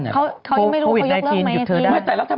เขายังไม่รู้เขายกเลิกไหม